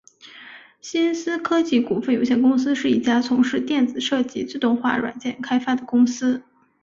新思科技股份有限公司是一家从事电子设计自动化软件开发的公司。